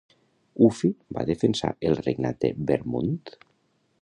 Uffi va defensar el regnat de Wermund?